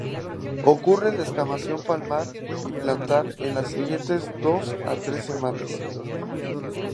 Ocurre descamación palmar y plantar en las siguientes dos a tres semanas.